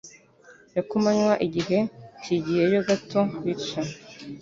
ya kumanywa igihe kigiyeyo gato, bityo